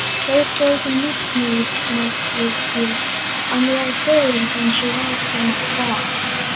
Therefore the Mist Maids must live here, and they are fairies and should answer my call."